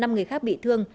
năm người khác bị thương